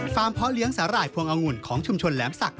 เพาะเลี้ยงสาหร่ายพวงองุ่นของชุมชนแหลมศักดิ